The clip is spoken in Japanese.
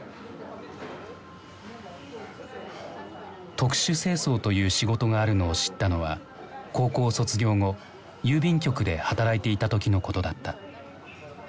特殊清掃という仕事があるのを知ったのは高校卒業後郵便局で働いていた時のことだった。